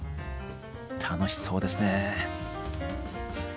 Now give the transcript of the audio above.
楽しそうですね。